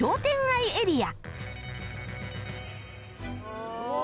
すごい！